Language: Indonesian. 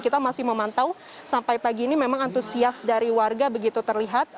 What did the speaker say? tidak tahu sampai pagi ini memang antusias dari warga begitu terlihat